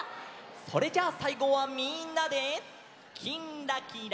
それじゃあさいごはみんなで「きんらきら」。